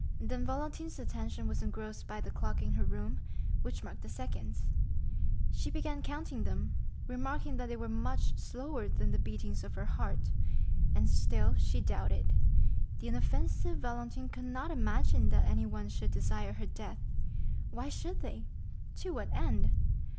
Then Valentine's attention was engrossed by the clock in her room, which marked the seconds. She began counting them, remarking that they were much slower than the beatings of her heart; and still she doubted,—the inoffensive Valentine could not imagine that anyone should desire her death. Why should they? To what end?